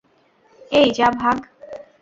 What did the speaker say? এই, যা ভাগ!